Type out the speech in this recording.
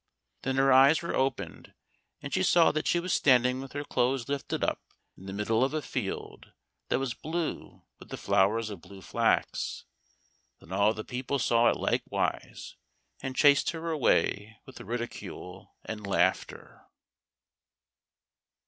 Then her eyes were opened, and she saw that she was standing with her clothes lifted up in the middle of a field that was blue with the flowers of blue flax. Then all the people saw it likewise, and chased her away with ridicule and laughter.